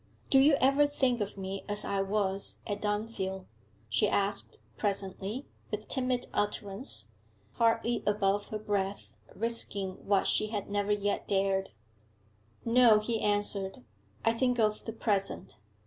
'Do you ever think of me as I was at Dunfield?' she asked presently, with timid utterance, hardly above her breath, risking what she had never yet dared. 'No,' he answered, 'I think of the present.'